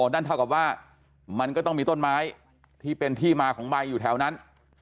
นั่นเท่ากับว่ามันก็ต้องมีต้นไม้ที่เป็นที่มาของใบอยู่แถวนั้น